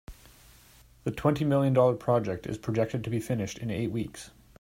The twenty million dollar project is projected to be finished in eight weeks.